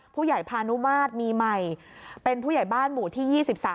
ผู้ใหญ่พานุมาสมีใหม่เป็นผู้ใหญ่บ้านหมู่ที่๒๓